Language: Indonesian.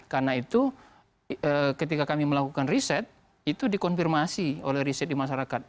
karena itu ketika kami melakukan riset itu dikonfirmasi oleh riset di masyarakat